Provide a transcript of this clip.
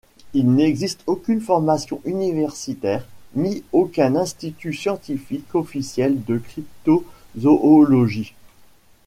Il n'existe aucune formation universitaire, ni aucun institut scientifique officiel de cryptozoologie.